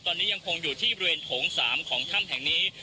ตอนนี้ยังคงอยู่ที่บริเวณโถง๓ของถ้ำแห่งนี้